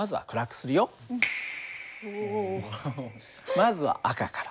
まずは赤から。